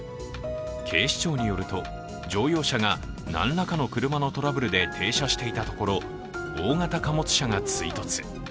警視庁によると、乗用車が、何らかの車のトラブルで停車していたところ大型貨物車が追突。